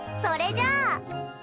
それじゃあ。